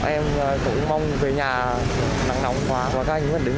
em cũng mong về nhà nắng nóng và các anh cũng đứng vào đường